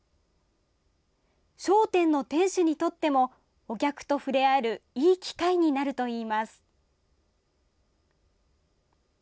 商店の店主にとっても、お客と触れ合えるいい機会になるといいます。